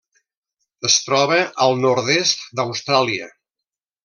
Es troba al nord-est d'Austràlia.